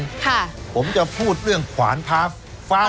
ค่ะผมจะพูดเรื่องขวานพาฟฟ้า